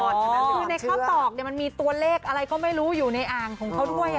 คือในข้าวตอกมันมีตัวเลขอะไรก็ไม่รู้อยู่ในอ่างของเขาด้วย